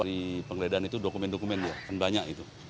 di penggeledahan itu dokumen dokumen banyak